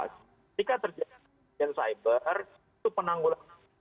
jika terjadi insiden cyber itu penanggulangan